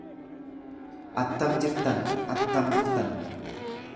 Attam jirtan, attam bultan?